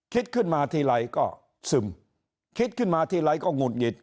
คิดขึ้นมาทีไรก็ซึมคิดขึ้นมาทีไรก็หงุดหงิด